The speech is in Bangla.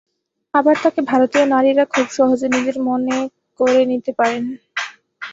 আবার তাঁকে ভারতীয় নারীরা খুব সহজে নিজের মনে করে নিতে পারেন।